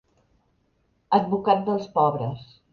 Advocat dels pobres.